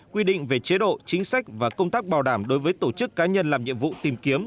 quy định về chế độ chính sách và công tác bảo đảm đối với tổ chức cá nhân làm nhiệm vụ tìm kiếm